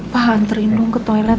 pahan terindung ke toilet